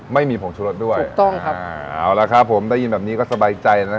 ไม่มีผงชุรสด้วยถูกต้องครับเอาละครับผมได้ยินแบบนี้ก็สบายใจนะ